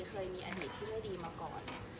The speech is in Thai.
เคยมีอดีตที่ไม่ดีมาก่อน